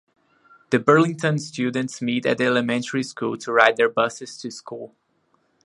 The Burlington students meet at the elementary school to ride their buses to school.